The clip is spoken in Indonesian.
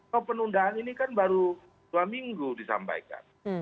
kalau penundaan ini kan baru dua minggu disampaikan